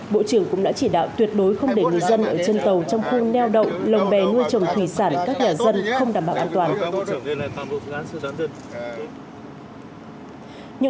bộ trưởng cũng đã chỉ đạo tuyệt đối không để người dân ở trên tàu trong khu neo đậu lồng bè nuôi trồng thủy sản các nhà dân không đảm bảo an toàn